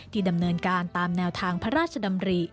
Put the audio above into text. ดำเนินการตามแนวทางพระราชดำริ